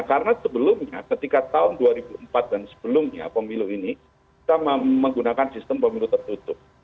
karena sebelumnya ketika tahun dua ribu empat dan sebelumnya pemilu ini kita menggunakan sistem pemilu tertutup